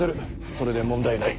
それで問題ない。